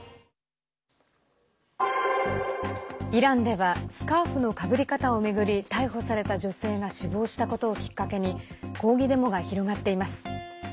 イランではスカーフのかぶり方を巡り逮捕された女性が死亡したことをきっかけに抗議デモが広がっています。